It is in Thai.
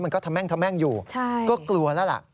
มันก็ทำแม่งอยู่ก็กลัวแล้วล่ะ